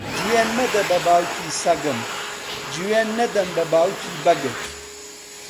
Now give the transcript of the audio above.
جوێن مەدە بە باوکی سەگم، جوێن نەدەم بە باوکی بەگت.